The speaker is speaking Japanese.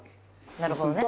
なるほどね。